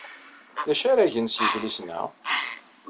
D acu ara gen s yidlisen-a?